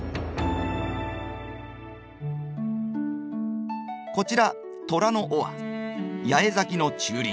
こちら虎の尾は八重咲きの中輪。